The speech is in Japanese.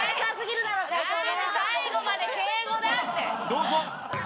どうぞ！